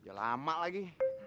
udah lama lagi